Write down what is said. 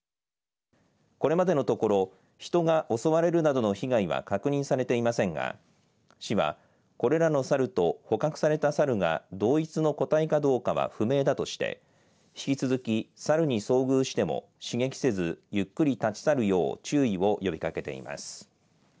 これまでのところ、人が襲われるなどの被害は確認されていませんが市はこれらのサルと捕獲されたサルが同一の個体かどうかは不明だとして引き続きサルに遭遇しても刺激せずゆっくり立ち去るよう注意を呼びかけていいます。